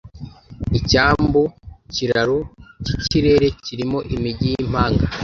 icyambu kiraro cyikirere kirimo imijyi yimpanga.